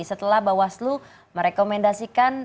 setelah bahwasu merekomendasikan